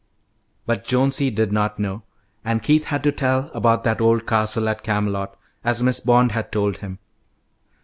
But Jonesy did not know, and Keith had to tell about that old castle at Camelot, as Miss Bond had told him.